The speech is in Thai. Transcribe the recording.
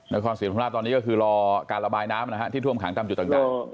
นักความสิทธิ์คุณภาพตอนนี้ก็คือรอการระบายน้ำที่ท่วมขังตั้งจุดต่าง